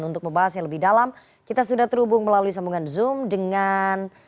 untuk membahas yang lebih dalam kita sudah terhubung melalui sambungan zoom dengan